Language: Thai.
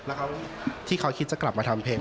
แล้วที่เขาคิดจะกลับมาทำเพลง